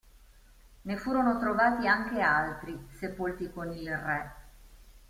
Ne furono trovati anche altri sepolti con il re.